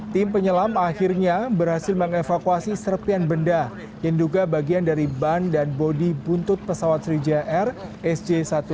tim penyelam akhirnya berhasil mengevakuasi serpian benda yang diduga bagian dari ban dan bodi buntut pesawat sri jaya air sj satu ratus tujuh puluh